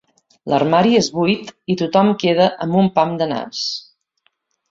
L'armari és buit i tothom queda amb un pam de nas.